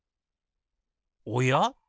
おや？